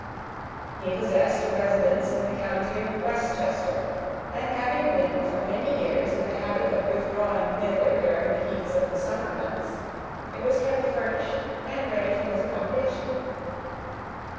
He possessed a residence in the county of Westchester; and having been for many years in the habit of withdrawing thither during the heats of the summer months, it was kept furnished and ready for his accommodation.